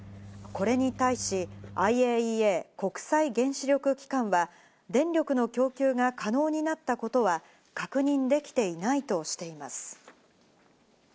これに対し、ＩＡＥＡ＝国際原子力機関は電力の供給が可能になったことは確認できていないとしています。